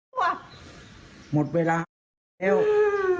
เพราะว่าต้องเย็นเขาขึ้นไป